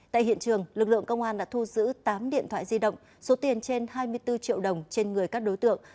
tại hiện trường lực lượng công an đã thu giữ tám điện thoại di động số tiền trên hai mươi bốn triệu đồng trên người các đối tượng